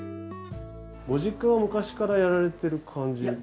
ご実家は昔からやられてる感じ。